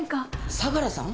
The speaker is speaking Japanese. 相良さん？